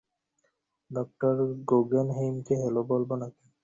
তিনি অত্যন্ত গুরুত্বপূর্ণ ভূমিকা গ্রহণ করেছিলেন।